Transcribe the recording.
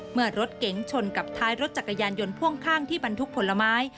เมื่อรถเก๋งชนกับท้ายรถจักรยานยนต์พ่วงข้างที่บรรทุกผลไม้